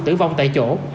tử vong tại chỗ